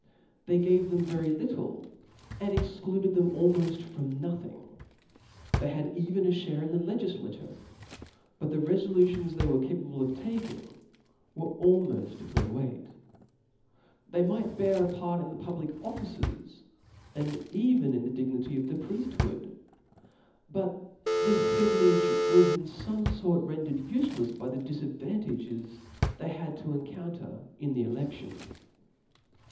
They gave them very little, and excluded them almofl from nothing : the had even a fhare in the legiflature, but the refolutions they were ' capable of taking were almofl: of no weight* They might bear a part in the public offices, and even in the dignity of the priefthood (^); but (•) Annals this privilege was in fame fort rendered ufelefs tus, Hb.3, by the difadvantages they had to encounter in • the eleftions.